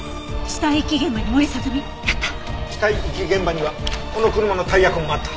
死体遺棄現場にはこの車のタイヤ痕があった。